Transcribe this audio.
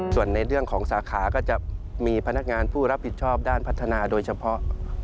ส่วนในเรื่องของสาขาก็จะมีพนักงานผู้รับผิดชอบด้านพัฒนาโดยเฉพาะ